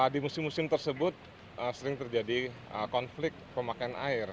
di musim musim tersebut sering terjadi konflik pemakaian air